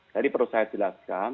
jadi perlu saya jelaskan